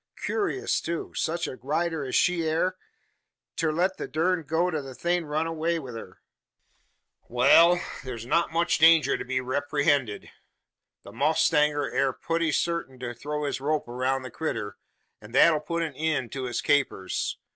Kewrious, too; sech a rider as she air, ter let the durned goat o' a thing run away wi' her. Wal! thur's not much danger to be reeprehended. The mowstanger air putty sartin to throw his rope aroun' the critter, an that 'll put an eend to its capers.